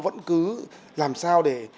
vẫn cứ làm sao để